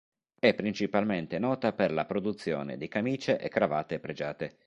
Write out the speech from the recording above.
È principalmente nota per la produzione di camicie e cravatte pregiate.